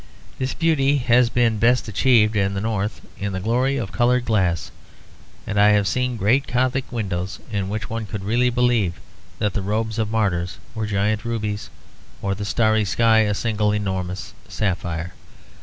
This beauty has been best achieved in the North in the glory of coloured glass; and I have seen great Gothic windows in which one could really believe that the robes of martyrs were giant rubies or the starry sky a single enormous sapphire.